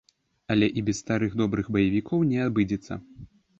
Але і без старых добрых баевікоў не абыдзецца.